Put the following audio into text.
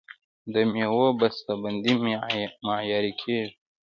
د میوو بسته بندي معیاري کیږي.